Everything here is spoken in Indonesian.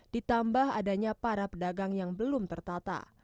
ditambah adanya para pedagang yang belum tertata